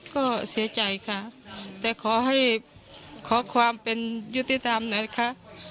ก็เสียใจค่ะแต่ขอให้ขอความเป็นยุติธรรมนะคะ